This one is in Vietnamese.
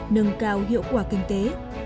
nhưng cao hiệu quả kinh tế